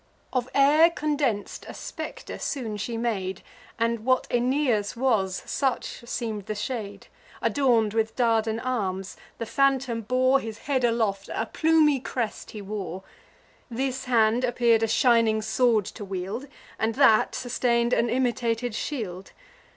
Of air condens'd a spectre soon she made; And, what Aeneas was, such seem'd the shade. Adorn'd with Dardan arms, the phantom bore His head aloft; a plumy crest he wore; This hand appear'd a shining sword to wield, And that sustain'd an imitated shield.